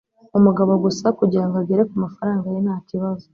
umugabo gusa kugirango agere kumafaranga ye! ntakibazo